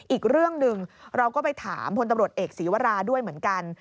อีกเรื่องหนึ่งเราก็ไปถามพลตำรวจเอกศีวราด้วยเหมือนกัน